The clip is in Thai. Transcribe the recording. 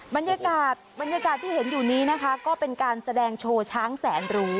บรรยากาศบรรยากาศที่เห็นอยู่นี้นะคะก็เป็นการแสดงโชว์ช้างแสนรู้